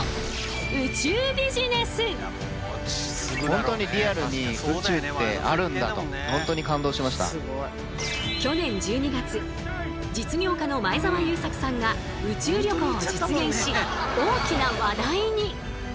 今世界中でその名も去年１２月実業家の前澤友作さんが宇宙旅行を実現し大きな話題に！